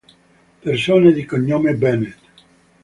Persone di cognome Bennett